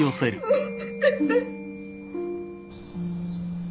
うん。